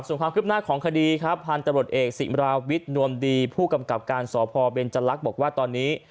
ส่วนความคืบหน้าของคดีครับพันธุ์ตำรวจเอกสิมราวิทย์นวมดีผู้กำกับการสพเบนจรักษ์บอกว่าตอนนี้